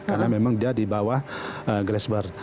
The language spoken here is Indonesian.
karena memang dia di bawah grisberg